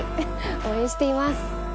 応援しています。